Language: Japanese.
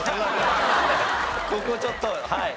ここちょっとはい。